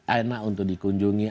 enak untuk dikunjungi